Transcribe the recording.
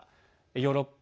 ヨーロッパ